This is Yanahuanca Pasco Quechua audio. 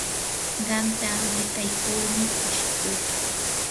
qamta rikaykurmi kushikuu.